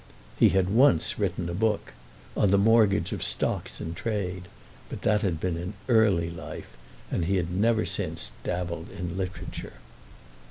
He had once written a book, on the mortgage of stocks in trade; but that had been in early life, and he had never since dabbled in literature.